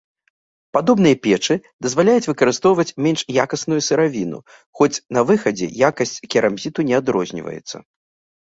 Падобныя печы дазваляюць выкарыстоўваць менш якасную сыравіну, хоць на выхадзе якасць керамзіту не адрозніваецца.